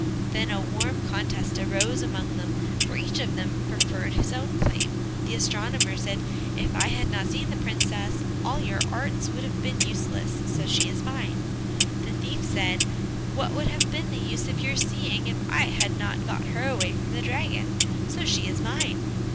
Then a warm contest arose among them, for each of them preferred his own claim. The astronomer said, "If I had not seen the princess, all your arts would have been useless, so she is mine." The thief said, "What would have been the use of your seeing, if I had not got her away from the dragon? so she is mine."